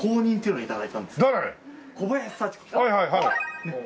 はい。